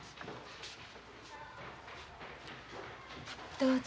どうぞ。